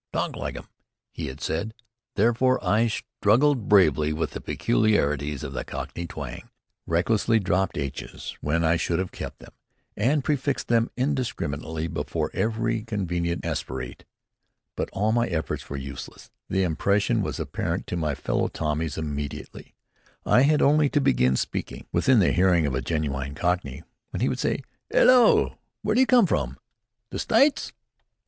"Talk like 'em," he had said. Therefore, I struggled bravely with the peculiarities of the Cockney twang, recklessly dropped aitches when I should have kept them, and prefixed them indiscriminately before every convenient aspirate. But all my efforts were useless. The imposition was apparent to my fellow Tommies immediately. I had only to begin speaking, within the hearing of a genuine Cockney, when he would say, "'Ello! w'ere do you come from? The Stites?"